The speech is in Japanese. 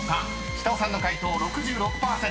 下尾さんの解答６６％。